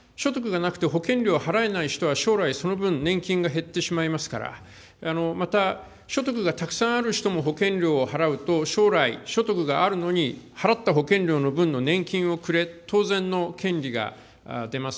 というのは、所得がなくて保険料を払えない人は将来、その分、年金が減ってしまいますから、また、所得がたくさんある人も保険料を払うと、将来、所得があるのに払った保険料の分の年金をくれ、当然の権利が出ます。